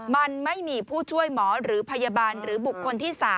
มันไม่มีผู้ช่วยหมอหรือพยาบาลหรือบุคคลที่๓